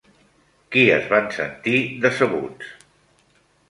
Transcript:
Qui es van sentir decebuts?